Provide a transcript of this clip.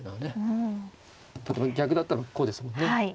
逆だったらこうですもんね。